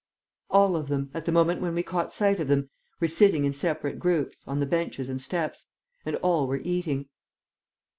All of them, at the moment when we caught sight of them, were sitting in separate groups on the benches and steps; and all were eating.